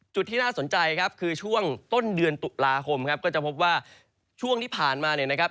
ที่น่าสนใจครับคือช่วงต้นเดือนตุลาคมครับก็จะพบว่าช่วงที่ผ่านมาเนี่ยนะครับ